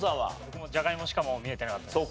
僕もじゃがいもしかもう見えてなかったです。